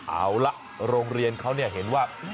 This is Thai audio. เอาละโรงเรียนเขาเห็นว่า